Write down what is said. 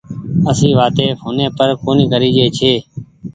اسي وآتي ڦوني پر ڪون ڪريجي ڇي